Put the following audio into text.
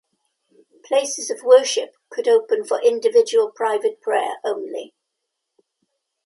Places of worship could open for individual private prayer only.